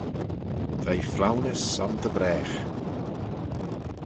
Veih flaunys son dy bragh.